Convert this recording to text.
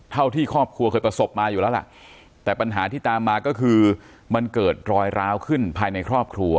เท่าที่ครอบครัวเคยประสบมาอยู่แล้วล่ะแต่ปัญหาที่ตามมาก็คือมันเกิดรอยร้าวขึ้นภายในครอบครัว